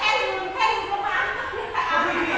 โปรดติดต่อไป